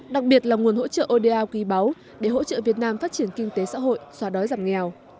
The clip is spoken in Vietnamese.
đặc biệt là nguồn hỗ trợ oda quý báu để hỗ trợ việt nam phát triển kinh tế xã hội xóa đói giảm nghèo